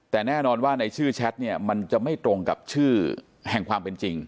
แต่แน่นอนว่าในชื่อแชทเนี่ยมันจะไม่ตรงกับชื่อแห่งความเป็นจริง